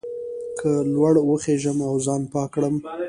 که لوړ وخېژم او ځان پاک کړم.